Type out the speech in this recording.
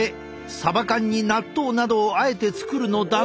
サバ缶に納豆などをあえて作るのだが。